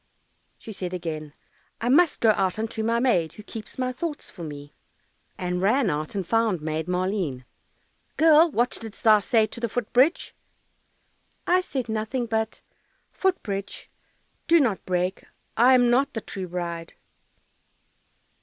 She again said, "I must go out unto my maid, Who keeps my thoughts for me," And ran out and found Maid Maleen, "Girl, what didst thou say to the foot bridge?" "I said nothing but, "Foot bridge, do not break, I am not the true bride."